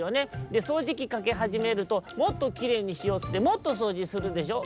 でそうじきかけはじめるともっときれいにしようってもっとそうじするでしょ？」。